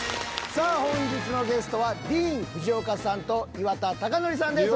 さあ本日のゲストはディーン・フジオカさんと岩田剛典さんです。